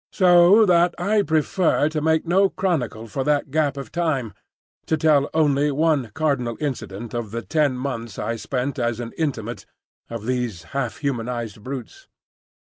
So that I prefer to make no chronicle for that gap of time, to tell only one cardinal incident of the ten months I spent as an intimate of these half humanised brutes.